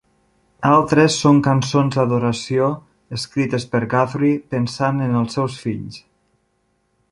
Altres són cançons d'adoració escrites per Guthrie pensant en els seus fills.